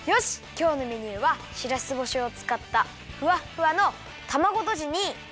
きょうのメニューはしらす干しをつかったふわっふわのたまごとじにきまり！